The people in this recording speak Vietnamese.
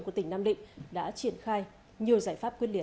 của tỉnh nam định đã triển khai nhiều giải pháp quyết liệt